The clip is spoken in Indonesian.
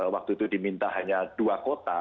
waktu itu diminta hanya dua kota